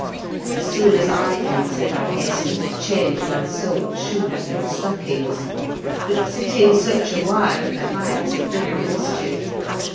As soon as I entered I hastened to change my soaked shoes and stockings; but sitting such a while at the Heights had done the mischief.